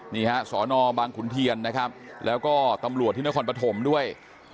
นี่ฮะสอนอบางขุนเทียนนะครับแล้วก็ตำรวจที่นครปฐมด้วย